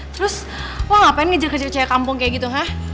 terus lo ngapain ngejir ke cewek kampung kayak gitu ha